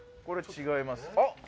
これ違います？